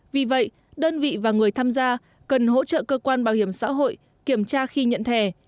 vì vậy đơn vị và người tham gia cần hỗ trợ cơ quan bảo hiểm xã hội kiểm tra khi nhận thẻ